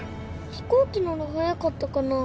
飛行機なら早かったかな？